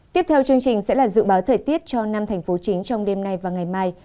tiếp theo chương trình sẽ là dự báo thời tiết cho năm thành phố chính trong đêm nay và ngày mai